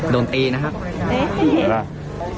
โดนตีนะครับ